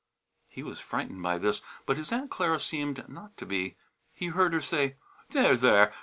He was frightened by this, but his Aunt Clara seemed not to be. He heard her say, "There, there!